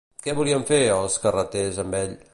Què volien fer els carreters amb ell?